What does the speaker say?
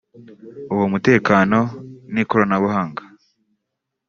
uwo mutekano n’ikoranabunga